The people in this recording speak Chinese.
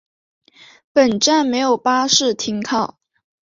本站没有巴士停靠。